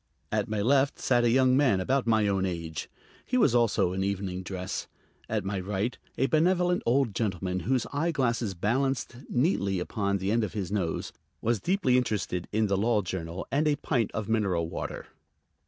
At my left sat a young man about my own age. He was also in evening dress. At my right a benevolent old gentleman, whose eye glasses balanced neatly upon the end of his nose, was deeply interested in The Law Journal and a pint pf mineral water.